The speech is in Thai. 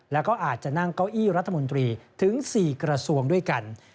แล้วก็อาจจะนั่งเก้าอี้รัฐมนตรีถึง๔กระทรวงด้วยกัน